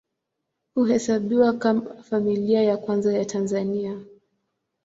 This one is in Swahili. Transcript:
Huhesabiwa kama Familia ya Kwanza ya Tanzania.